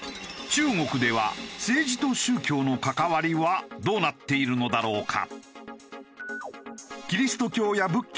中国では政治と宗教の関わりはどうなっているのだろうか？